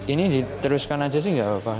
ini diteruskan saja sih tidak apa apa